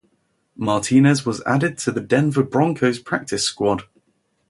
Martinez was added to the Denver Broncos Practice Squad.